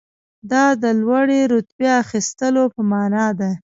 دا د لوړې رتبې اخیستلو په معنی ده.